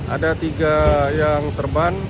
ada tiga yang terbang